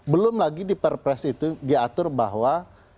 belum lagi di perpres itu diatur bahwa